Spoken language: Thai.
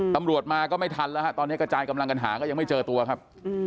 ตำรวจมาก็ไม่ทันแล้วฮะตอนนี้กระจายกำลังกันหาก็ยังไม่เจอตัวครับ